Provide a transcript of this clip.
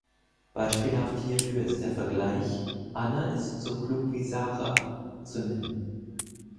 Beispielhaft hierfür ist der Vergleich "„Anna ist so klug wie Sarah“" zu nennen.